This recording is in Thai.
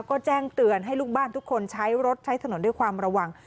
ก็แจ้งเตือนให้ลูกบ้านทุกคนใช้รถใช้ถนนด้วยความระวัง